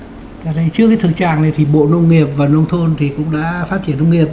trước cái thử tràng này thì bộ nông nghiệp và nông thôn cũng đã phát triển nông nghiệp